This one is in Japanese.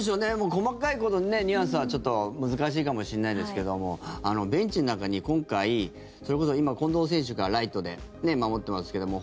細かいこと、ニュアンスはちょっと難しいかもしれないですけどもベンチの中に今回それこそ今、近藤選手がライトで守ってますけども